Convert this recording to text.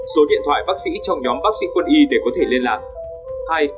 số điện thoại bác sĩ trong nhóm bác sĩ quân y để có thể liên lạc